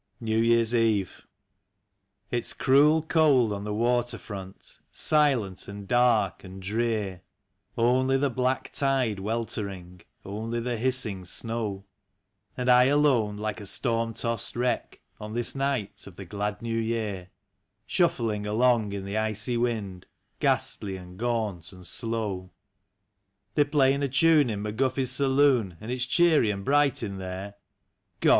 75 NEW YEAE'S EVE. It's cruel cold on the water front, silent and dark and drear ; Only the black tide weltering, only the hissing snow ; And I, alone, like a storm tossed wreck, on this night of the glad New Year, Shuffling along in the icy wind, ghastly and gaunt and slow. They're playing a tune in McGuffy's saloon, and it's cheery and bright in there (God!